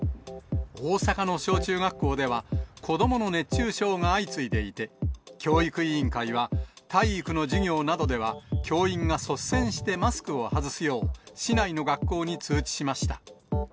大阪の小中学校では、子どもの熱中症が相次いでいて、教育委員会は体育の授業などでは、教員が率先してマスクを外すよう、市内の学校に通知しました。